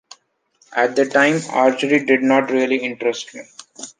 At the time archery did not really interest me.